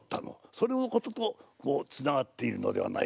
それのこととつながっているのではないかな？